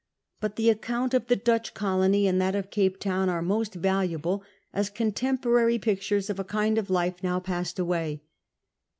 But the account of that Dutch colony and that of Cape Town are most valuable as contemporary pictures of a kind of life now passed away.